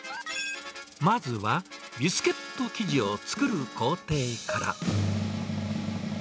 まずは、ビスケット生地を作る工程から。